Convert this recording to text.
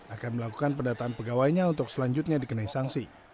akan melakukan pendataan pegawainya untuk selanjutnya dikenai sanksi